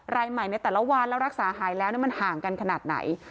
รายใหม่ในแต่ละวันแล้วรักษาหายแล้วมันห่างกันขนาดไหน